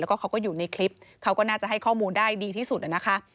แล้วก็เขาก็อยู่ในคลิปเขาก็น่าจะให้ข้อมูลได้ดีที่สุดนะคะ